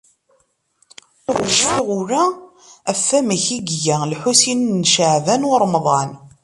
Ur cfiɣ ula ɣef wamek i iga Lḥusin n Caɛban u Ṛemḍan.